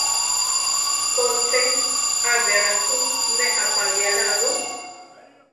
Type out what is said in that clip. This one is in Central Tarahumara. Ko che, a belá ku ne apayéla ru.